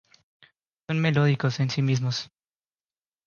Son melódicos en sí mismos.